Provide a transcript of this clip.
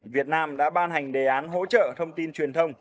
việt nam đã ban hành đề án hỗ trợ thông tin truyền thông